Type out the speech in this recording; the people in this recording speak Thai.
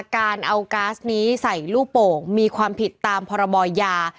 การเอาก๊าซนี้ใส่ลูกโป่งมีความผิดตามพรบยา